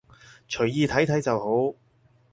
隨意睇睇就好